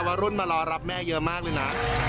วัยรุ่นมารอรับแม่เยอะมากเลยนะ